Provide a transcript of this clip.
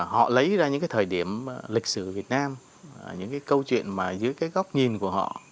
họ lấy ra những cái thời điểm lịch sử việt nam những cái câu chuyện mà dưới cái góc nhìn của họ